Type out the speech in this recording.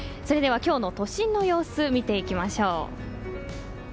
それでは今日の都心の様子見ていきましょう。